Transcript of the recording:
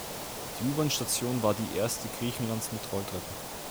Die U-Bahn-Station war die erste Griechenlands mit Rolltreppen.